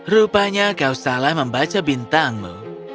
rupanya kau salah membaca bintangmu